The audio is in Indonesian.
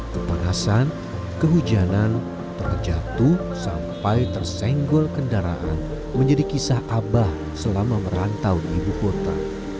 kepanasan kehujanan terjatuh sampai tersenggol kendaraan menjadi kisah abah selama merantau di ibu kota